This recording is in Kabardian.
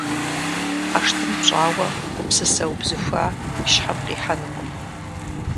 ӀэштӀым пщӀауэ гупсысэ убзыхуа уи щхьэм къихьэнукъым.